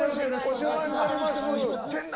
お世話になります。